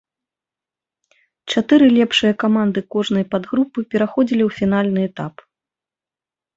Чатыры лепшыя каманды кожнай падгрупы пераходзілі ў фінальны этап.